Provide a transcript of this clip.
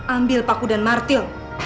ambil paku dan martil